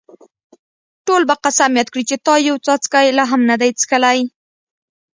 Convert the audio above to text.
ټول به قسم یاد کړي چې تا یو څاڅکی لا هم نه دی څښلی.